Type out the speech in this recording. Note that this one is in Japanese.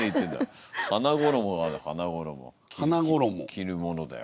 着るものだよ。